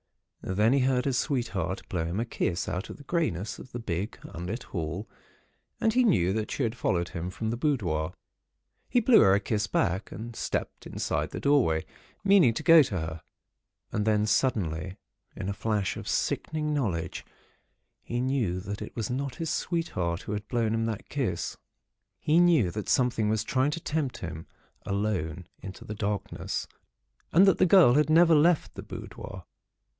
Then he heard his sweetheart blow him a kiss out of the greyness of the big, unlit hall, and he knew that she had followed him, from the boudoir. He blew her a kiss back, and stepped inside the doorway, meaning to go to her. And then, suddenly, in a flash of sickening knowledge, he knew that it was not his sweetheart who had blown him that kiss. He knew that something was trying to tempt him alone into the darkness, and that the girl had never left the boudoir.